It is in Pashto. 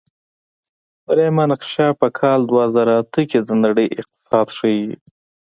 دریمه نقشه په کال دوه زره اته کې د نړۍ اقتصاد ښيي.